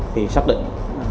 thì xác định